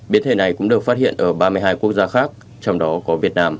biến thể này cũng được phát hiện ở ba mươi hai